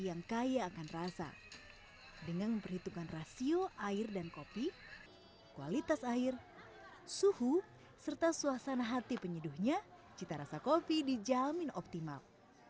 dengan memperhitungkan rasio air dan kopi kualitas air suhu serta suasana hati penyeduhnya cita rasa kopi dijamin optimal